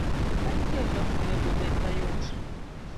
Penjo ma ikelo onego obed mayot